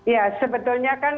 ya sebetulnya kan